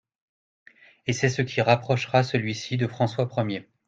Et c'est ce qui rapprochera celui-ci de François Ier.